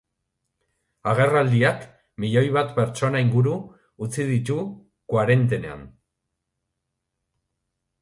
Agerraldiak milioi bat pertsona inguru utzi ditu koarentenan.